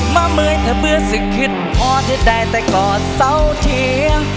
มาเหมือนเธอเบื้อสิทธิ์คุดคอดเที่ยวได้แต่กอดเสาเทียง